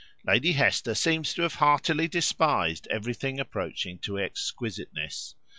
Lady Hester seems to have heartily despised everything approaching to exquisiteness.